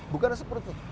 bukan seperti itu